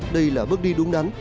đây là bước đi đúng đắn